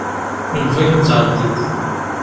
Yunef-ak ad tɛeddiḍ.